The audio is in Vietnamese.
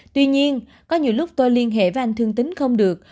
tuy nhiên có nhiều lúc tôi liên hệ với anh thương tính không được